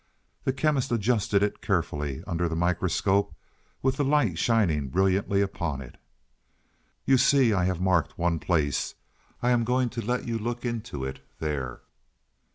The Chemist adjusted it carefully under the microscope with the light shining brilliantly upon it. "You see I have marked one place; I am going to let you look into it there."